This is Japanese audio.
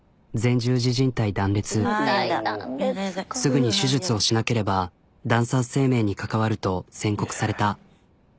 すぐに手術をしなければダンサー生命に関わると宣告された。